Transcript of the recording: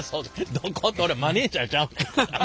どこって俺マネージャーちゃうねんから。